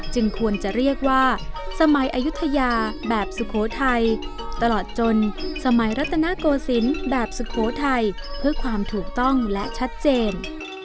ควรจะเรียกว่าสมัยอายุทยาแบบสุโขทัยตลอดจนสมัยรัตนโกศิลป์แบบสุโขทัยเพื่อความถูกต้องและชัดเจน